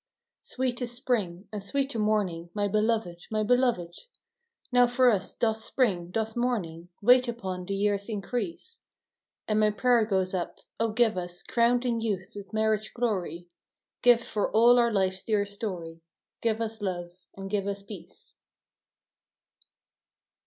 " Sweet is spring, and sweet the morning, my beloved, my beloved: Now for us doth spring, doth morning, wait upon the year's increase, 64 FROM QUEENS' GARDENS. And my prayer goes up, " Oh give us, crowned in youth with marriage glory, Give for all our life's dear story, Give us love, and give us peace